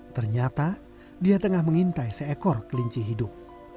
ternyata dia tengah mengintai seekor kelinci hidup